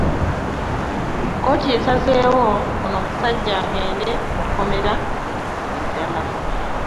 Kooti esaseewo ono omusajja agende mu komera eddala.